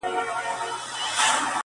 بېګانه به ورته ټول خپل او پردي سي،